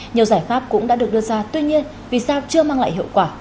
nhiều giải pháp cũng đã được đưa ra tuy nhiên vì sao chưa mang lại hiệu quả